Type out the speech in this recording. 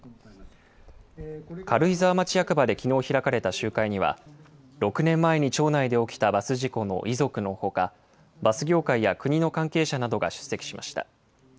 軽井沢町役場できのう開かれた集会には、６年前に町内で起きたバス事故の遺族のほか、バス業界や国の関係者などが出席しました。